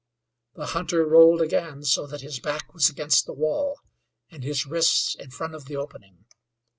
The, hunter rolled again so that his back was against the wall and his wrists in front of the opening.